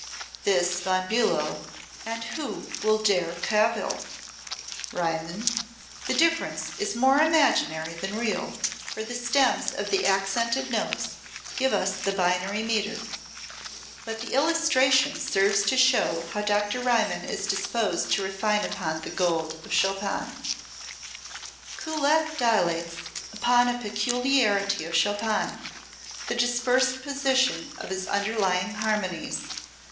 Thus Von Bulow and who will dare cavil? [Musical score excerpt] Riemann: [Musical score excerpt] The difference is more imaginary than real, for the stems of the accented notes give us the binary metre. But the illustration serves to show how Dr. Riemann is disposed to refine upon the gold of Chopin. Kullak dilates upon a peculiarity of Chopin: the dispersed position of his underlying harmonies.